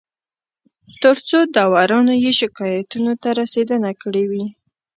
تر څو داورانو یې شکایتونو ته رسېدنه کړې نه وي